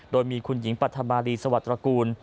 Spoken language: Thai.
โดยมีคุณหญิงปัธมารีสวัสตระกูล